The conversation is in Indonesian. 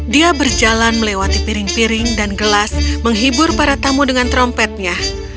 dia berjalan melewati piring piring dan gelas menghibur para tamu dengan trompetnya